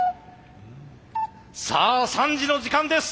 さあ３時の時間です！